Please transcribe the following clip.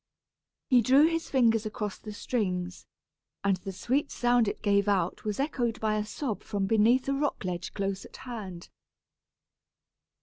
He drew his fingers across the strings, and the sweet sound it gave out was echoed by a sob from beneath a rock ledge close at hand.